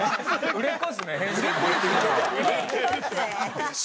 売れっ子ですよ。